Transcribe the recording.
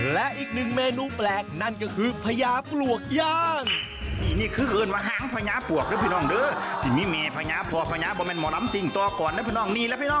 และอีกหนึ่งเมนูแปลกนั่นก็คือพญาปวกย่าง